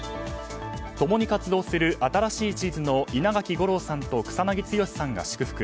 共に活動する新しい地図の稲垣吾郎さんと草なぎ剛さんが祝福。